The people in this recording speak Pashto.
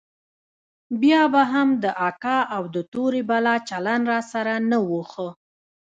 بيا به هم د اکا او د تورې بلا چلند راسره نه و ښه.